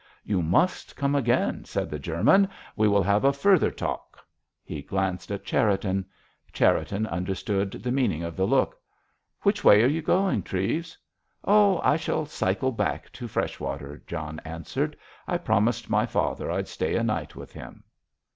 "You must come again," said the German; "we will have a further talk." He glanced at Cherriton. Cherriton understood the meaning of the look. "Which way are you going, Treves?" "Oh! I shall cycle back to Freshwater," John answered. "I promised my father I'd stay a night with him."